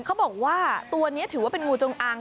เขาบอกว่าตัวนี้ถือว่าเป็นงูจงอาง